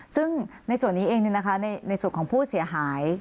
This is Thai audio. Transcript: ซึ่งในส่วนนี้เองในส่วนของผู้เสียหาย